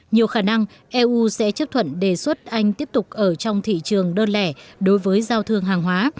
nhiều khả năng eu sẽ chấp thuận đề xuất anh tiếp tục ở trong thị trường đơn lẻ đối với giao thương hàng hóa